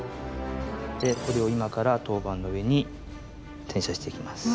でこれを今から陶板の上に転写していきます。